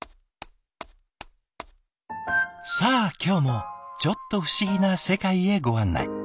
さあ今日もちょっと不思議な世界へご案内。